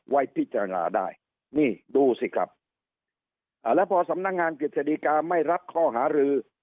ไว้พิจารณาได้นี่ดูสิครับอ่าแล้วพอสำนักงานกฤษฎีกาไม่รับข้อหารือ